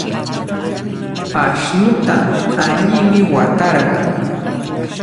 Ashnuta allimi watarqan.